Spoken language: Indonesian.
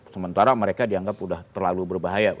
sementara mereka dianggap sudah terlalu berbahaya